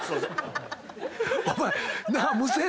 お前。